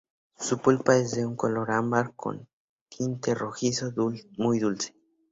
Su pulpa es de un color ámbar con tinte rojizo, muy dulce.